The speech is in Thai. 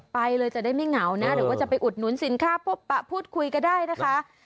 ไปเลยจะได้ไม่เหงานะหรือว่าจะไปอุดหนุนสินค้าพบปะพูดคุยก็ได้นะคะ